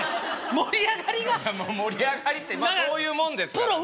盛り上がりってまあそういうもんですからね。